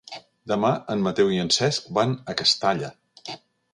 Demà en Mateu i en Cesc van a Castalla.